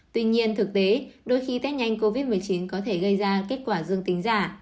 tuy nhiên thực tế đôi khi tết nhanh covid một mươi chín có thể gây ra kết quả dương tính giả